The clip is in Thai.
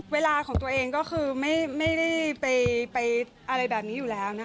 เปลี่ยนไปเรียบร้อยแล้ว